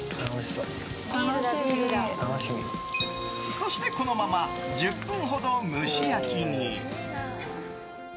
そして、このまま１０分ほど蒸し焼きに。